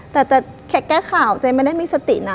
แต่แค่แก้ข่าวเจ๊ไม่ได้มีสตินะ